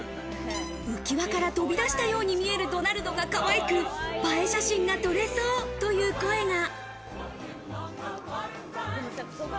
浮き輪から飛び出したように見えるドナルドがかわいく、映え写真が撮れそうという声が。